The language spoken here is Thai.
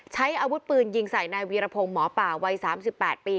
ใช้อาวุธปืนยิงใส่นายวีรพงศ์หมอป่าวัย๓๘ปี